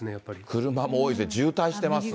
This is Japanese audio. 車も多いですね、渋滞してますね。